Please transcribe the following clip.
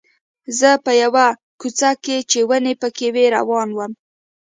زه په یوه کوڅه کې چې ونې پکې وې روان وم.